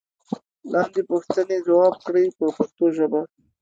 لاندې پوښتنې ځواب کړئ په پښتو ژبه.